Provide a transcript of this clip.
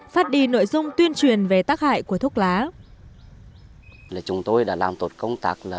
phát đi nội dung tuyên truyền về tác hại của thuốc lá